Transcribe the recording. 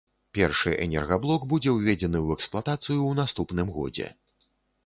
Першы энергаблок будзе ўведзены ў эксплуатацыю ў наступным годзе.